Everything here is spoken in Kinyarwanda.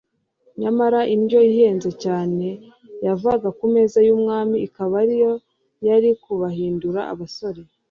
nyamara indyo ihenze cyane yavaga ku meza y'umwami ikaba ariyo yari kubahindura abasore